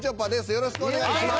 よろしくお願いします。